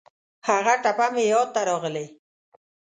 هغه ټپه مې یاد ته راغلې.